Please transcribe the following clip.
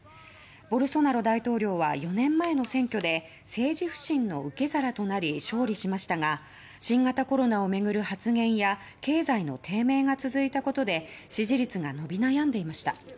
ボルソナロ大統領は４年前の選挙で政治不信の受け皿となり勝利しましたが新型コロナを巡る発言や経済の低迷が続いたことで支持率が伸び悩んでいました。